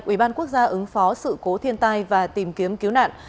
ubnd ứng phó sự cố thiên tai và tìm kiếm cứu nạn